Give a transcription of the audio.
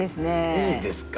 いいですか？